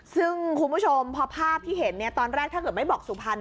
ซึ่งคุณผู้ชมพอภาพที่เห็นตอนแรกถ้าเกิดไม่บอกสุพรรณ